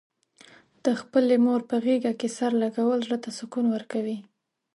د خپلې مور په غېږه کې سر لږول، زړه ته سکون ورکوي.